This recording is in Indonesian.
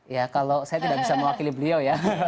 ya kalau saya tidak bisa mewakili beliau ya